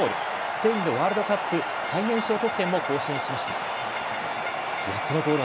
スペインのワールドカップ最年少得点も更新しました。